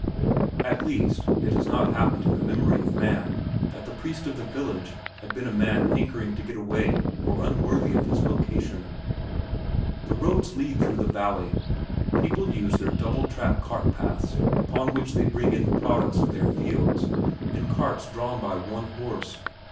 At least, it has not happened in the memory of man that the priest of the village had been a man hankering to get away or unworthy of his vocation. No roads lead through the valley. People use their double track cart paths upon which they bring in the products of their fields in carts drawn by one horse.